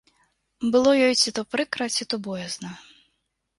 Было ёй ці то прыкра, ці то боязна.